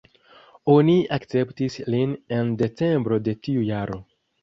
Oni akceptis lin en decembro de tiu jaro.